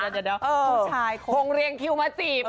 เดี๋ยวผู้ชายคงเรียงคิวมาจีบ